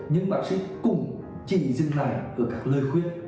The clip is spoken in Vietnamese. nhưng bác sĩ cũng chỉ dừng lại ở các lời khuyết